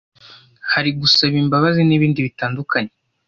hari gusaba imbabazi n’ibindi bitandukanye